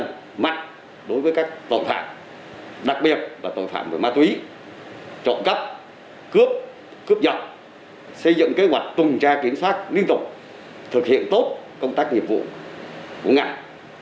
chúng tôi cũng tiếp tục đấu tranh mạnh đối với các tội phạm đặc biệt là tội phạm của ma túy trộm cắp cướp cướp dọc xây dựng kế hoạch tuần tra kiểm soát liên tục thực hiện tốt công tác nhiệm vụ của ngành